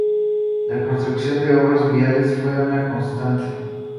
La construcción de obras viales fue una constante.